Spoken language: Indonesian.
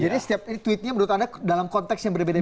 jadi setiap tweet nya menurut anda dalam konteks yang berbeda